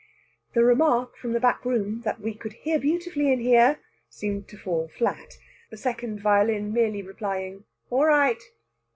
The remark from the back room that we could hear beautifully in here seemed to fall flat, the second violin merely replying "All right!"